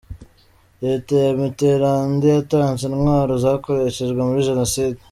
Leta ya Mitterand yatanze intwaro zakoreshejwe muri Jenoside